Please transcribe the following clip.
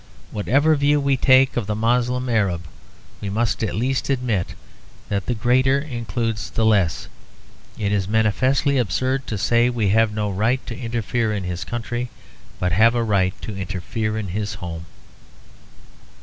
Whatever view we take of the Moslem Arab, we must at least admit that the greater includes the less. It is manifestly absurd to say we have no right to interfere in his country, but have a right to interfere in his home.